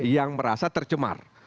yang merasa tercemar